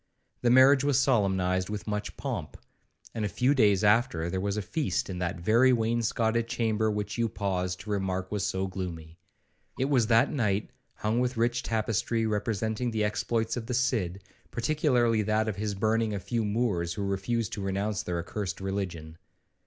The marriage was solemnized with much pomp, and a few days after there was a feast in that very wainscotted chamber which you paused to remark was so gloomy. It was that night hung with rich tapestry, representing the exploits of the Cid, particularly that of his burning a few Moors who refused to renounce their accursed religion.